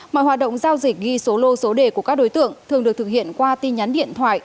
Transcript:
mọi hoạt động giao dịch ghi số lô số đề của các đối tượng thường được thực hiện qua tin nhắn điện thoại